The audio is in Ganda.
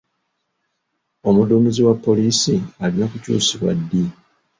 Omudduumizi wa poliisi alina kukyusibwa ddi?